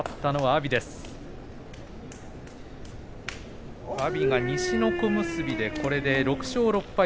阿炎が西の小結で６勝６敗